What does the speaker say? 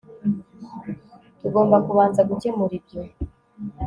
Tugomba kubanza gukemura ibyo